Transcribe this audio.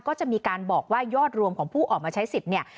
ก็จะมีการบอกว่ายอดรวมของผู้ออกมาใช้สิทธิ์เนี่ย